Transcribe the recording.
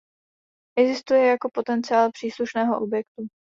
Existuje jako potenciál příslušného objektu.